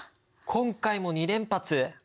今回も２連発？